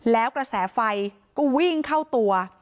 แล้วกระแสไฟก็วิ่งเข้าตัว